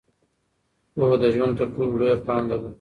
پوهه د ژوند تر ټولو لویه پانګه ده.